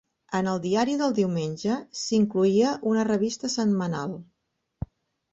En el diari del diumenge s'incloïa una revista setmanal.